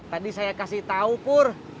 tadi saya kasih tau pur